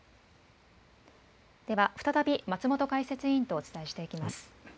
では、再び松本解説委員とお伝えしていきます。